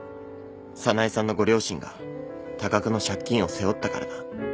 早苗さんのご両親が多額の借金を背負ったからだ。